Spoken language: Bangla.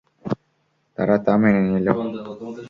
তারা তা মেনে নিল।